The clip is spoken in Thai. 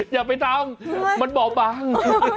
อย่าไปตังเนี่ยมันเบาบาง